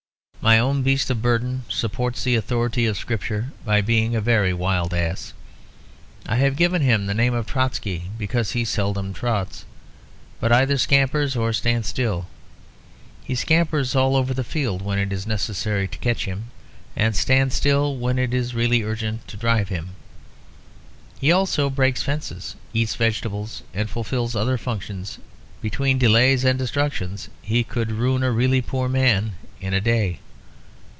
My own beast of burden supports the authority of Scripture by being a very wild ass. I have given him the name of Trotsky, because he seldom trots, but either scampers or stands still. He scampers all over the field when it is necessary to catch him, and stands still when it is really urgent to drive him. He also breaks fences, eats vegetables, and fulfills other functions; between delays and destructions he could ruin a really poor man in a day.